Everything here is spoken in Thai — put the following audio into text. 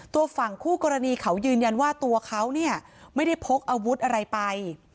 ตัวฝั่งคู่กรณีเขายืนยันว่าตัวเขาเนี่ยไม่ได้พกอาวุธอะไรไป